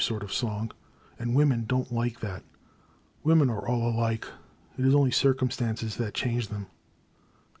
sort of song, and women don't like that. Women are all alike — ^it is only circumstances that change them.